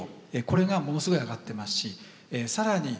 これがものすごい上がってますし更に